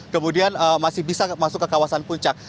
kemudian masih bisa masuk ke kawasan puncak